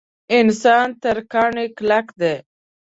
انسان تر کاڼي کلک دی.